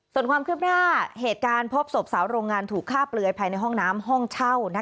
ส่วนความคืบหน้าเหตุการณ์พบศพสาวโรงงานถูกฆ่าเปลือยภายในห้องน้ำห้องเช่า